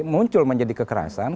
muncul menjadi kekerasan